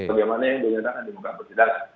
sebagaimana yang dinyatakan di muka persidangan